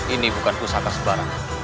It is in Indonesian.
ini bukan pusaka sebarang